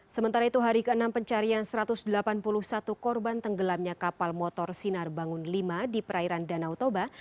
sementara itu hari ke enam pencarian satu ratus delapan puluh satu korban tenggelamnya kapal motor sinar bangun v di perairan danau toba